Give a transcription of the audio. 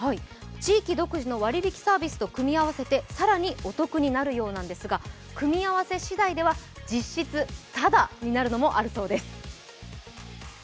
地域独自の割引サービスと組み合わせて更にお得になるようなんですが、組み合わせ次第では実質ただになるのもあるそうです。